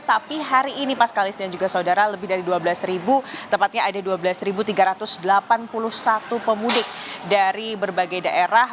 tapi hari ini mas kalis dan juga saudara lebih dari dua belas tepatnya ada dua belas tiga ratus delapan puluh satu pemudik dari berbagai daerah